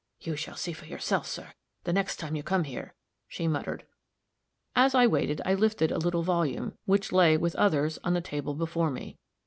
"You shall see for yourself, sir, the next time you come here," she muttered. As I waited, I lifted a little volume, which lay, with others, on the table before me.